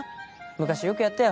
昔よくやったよ